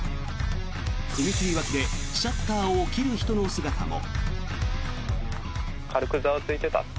踏切脇でシャッターを切る人の姿も。